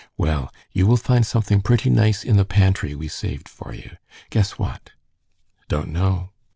"Well, you will find something pretty nice in the pantry we saved for you. Guess what." "Don't know."